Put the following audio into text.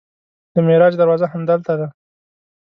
د معراج دروازه همدلته ده.